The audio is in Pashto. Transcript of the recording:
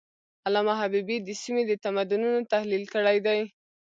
علامه حبيبي د سیمې د تمدنونو تحلیل کړی دی.